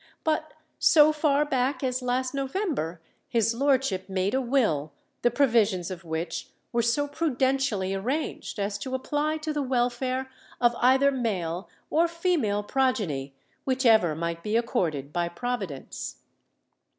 But so far back as last November his lordship made a will the provisions of which were so prudentially arranged as to apply to the welfare of either male or female progeny, whichever might be accorded by Providence.